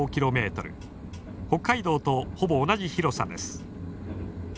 北海道とほぼ同じ広さです。